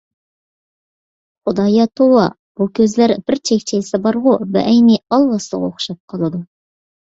خۇدايا توۋا، بۇ كۆزلەر بىر چەكچەيسە بارغۇ بەئەينى ئالۋاستىغا ئوخشاپ قالىدۇ.